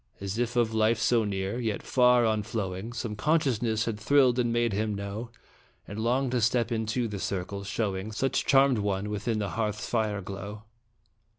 As if of life so near, yet far on flowing, Some consciousness had thrilled and made him know And long to step into the circle, showing Such charmed one within the hearth fire's glow.